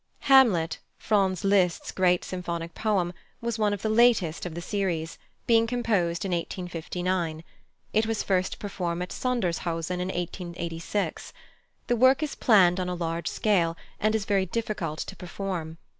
Hamlet, +Franz Liszt's+ great symphonic poem, was one of the latest of the series, being composed in 1859. It was first performed at Sondershausen in 1886. The work is planned on a large scale, and is very difficult to perform.